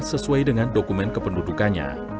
sesuai dengan dokumen kependudukannya